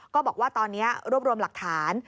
ก็บอกว่าตอนนี้รวบรวมหลักฐาน